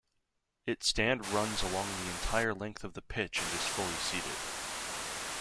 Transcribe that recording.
It stand runs along the entire length of the pitch and is fully seated.